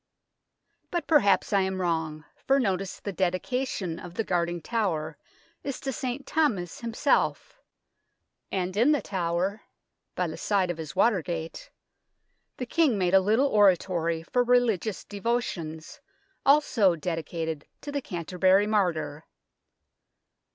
But perhaps I am wrong, for notice the dedication of the guarding tower is to St. Thomas himself ; and in the tower, by the side of his water gate, the King made a little oratory for religious devotions, also dedicated to the Canterbury martyr.